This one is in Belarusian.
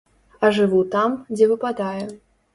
А жыву там, дзе выпадае.